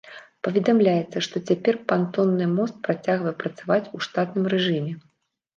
Паведамляецца, што цяпер пантонны мост працягвае працаваць у штатным рэжыме.